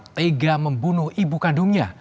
tega membunuh ibu kandungnya